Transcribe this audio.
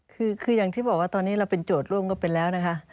คืออย่างที่บอกว่าตอนนี้เราเป็นโจทย์ร่วมก็เป็นแล้วนะคะ